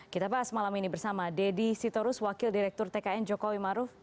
kita bahas malam ini bersama deddy sitorus wakil direktur tkn jokowi maruf